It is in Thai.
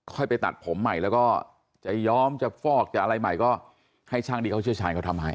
ไปตัดผมใหม่แล้วก็จะย้อมจะฟอกจะอะไรใหม่ก็ให้ช่างที่เขาเชี่ยวชาญเขาทำให้